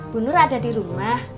bu nur ada di rumah